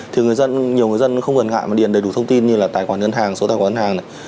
thì nhiều người dân không cần ngại mà điền đầy đủ thông tin như là tài khoản ngân hàng số tài khoản ngân hàng này